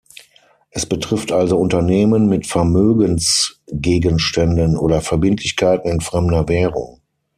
Es betrifft also Unternehmen mit Vermögensgegenständen oder Verbindlichkeiten in fremder Währung.